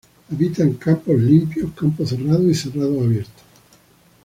Habita en campos limpios, campos cerrados y cerrados abiertos.